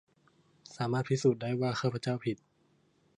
สามารถพิสูจน์ได้ว่า ข้าพเจ้าผิด